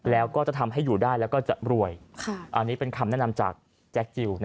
แล้วก็จะทำให้อยู่ได้แล้วก็จะรวยอันนี้เป็นคำแนะนำจากแจ็คจิล